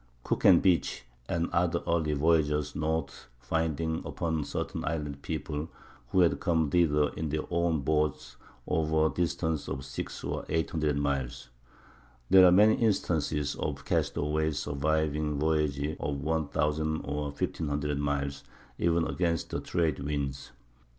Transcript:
Cook and Beechey and other early voyagers note finding upon certain islands people who had come thither in their own boats over distances of six or eight hundred miles; and there are many instances of castaways surviving voyages of one thousand or fifteen hundred miles, even against the trade winds.